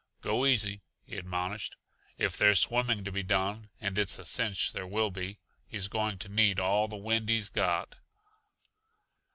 "Go easy," he admonished. "If there's swimming to be done and it's a cinch there will be, he's going to need all the wind he's got."